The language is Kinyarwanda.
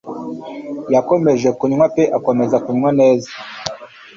yakomeje kunywa pe akomeza kunywa neza.